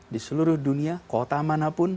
di seluruh dunia kota manapun